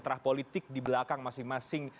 terah politik di belakang masing masing